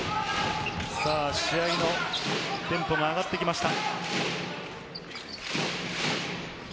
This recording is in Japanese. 試合のテンポが上がってきました。